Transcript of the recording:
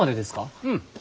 うん。